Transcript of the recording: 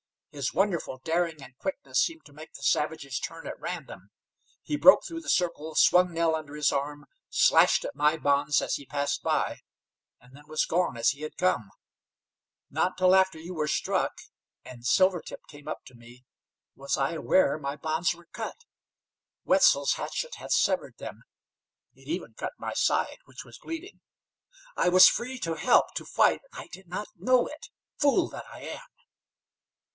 His wonderful daring and quickness seemed to make the savages turn at random. He broke through the circle, swung Nell under his arm, slashed at my bonds as he passed by, and then was gone as he had come. Not until after you were struck, and Silvertip came up to me, was I aware my bonds were cut. Wetzel's hatchet had severed them; it even cut my side, which was bleeding. I was free to help, to fight, and I did not know it. Fool that I am!"